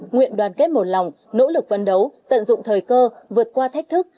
nguyện đoàn kết một lòng nỗ lực vấn đấu tận dụng thời cơ vượt qua thách thức